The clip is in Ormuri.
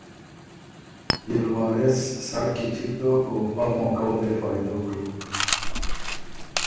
بيې ل وارث سر کی چِګ دوک او پا موقع وه دې فائده وروک